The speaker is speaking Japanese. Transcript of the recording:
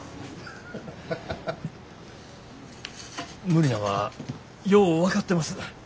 無理なんはよう分かってます。